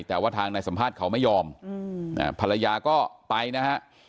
แต่ว่าทางนายสัมภาษณ์เขาไม่ยอมภรรยาก็ไปนะฮะ